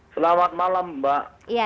selamat malam mbak